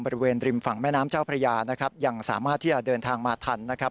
บริเวณริมฝั่งแม่น้ำเจ้าพระยานะครับยังสามารถที่จะเดินทางมาทันนะครับ